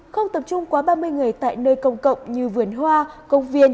không tập trung quá ba mươi người tại nơi công cộng như vườn hoa công viên